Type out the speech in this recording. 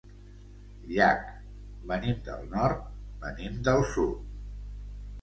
Llach: «Venim del nord, venim del sud».